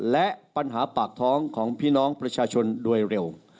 และปัญหาปากท้องของพี่น้องประชาชนโดยเร็ว